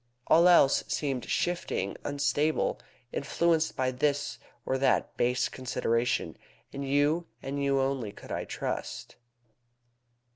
All else seemed shifting, unstable, influenced by this or that base consideration. In you, and you only, could I trust."